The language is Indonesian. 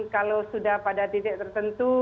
kalau sudah pada titik tertentu